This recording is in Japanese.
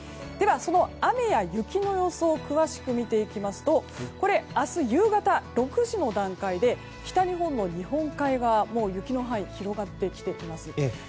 では、その雨や雪の予想を詳しく見ていきますと明日夕方６時の段階で北日本の日本海側もう雪の範囲広がってきています。